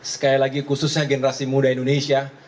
sekali lagi khususnya generasi muda indonesia